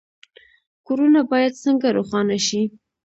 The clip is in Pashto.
کورونه باید څنګه روښانه شي؟